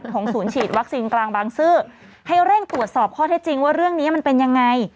ศูนย์ฉีดวัคซีนกลางบางซื่อให้เร่งตรวจสอบข้อเท็จจริงว่าเรื่องนี้มันเป็นยังไง